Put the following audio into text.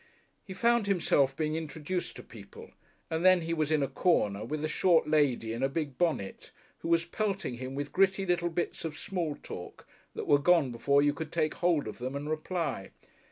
He found himself being introduced to people, and then he was in a corner with the short lady in a big bonnet, who was pelting him with gritty little bits of small talk that were gone before you could take hold of them and reply.